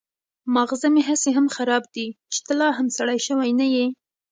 ماغزه مې هسې هم خراب دي چې ته لا هم سړی شوی نه يې.